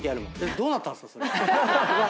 どうなったんすか？